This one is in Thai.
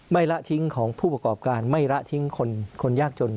ละทิ้งของผู้ประกอบการไม่ละทิ้งคนยากจน